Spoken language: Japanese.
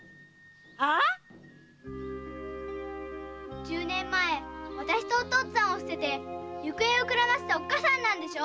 あぁ⁉十年前あたしとお父っつぁんを捨てて行方をくらませたおっかさんなんでしょ？